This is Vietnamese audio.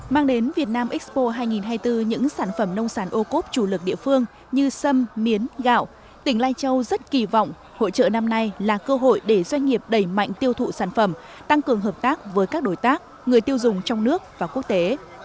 mang đến việt nam expo hai nghìn hai mươi bốn những sản phẩm nông sản ô cốp chủ lực địa phương như sâm miến gạo tỉnh lai châu rất kỳ vọng hội trợ năm nay là cơ hội để doanh nghiệp đẩy mạnh tiêu thụ sản phẩm tăng cường hợp tác với các đối tác người tiêu dùng trong nước và quốc tế